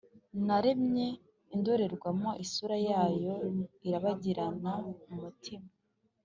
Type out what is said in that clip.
naremye indorerwamo: isura yayo irabagirana, umutima;